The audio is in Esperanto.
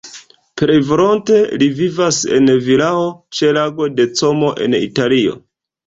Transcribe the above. Plej volonte li vivas en vilao ĉe Lago de Como en Italio.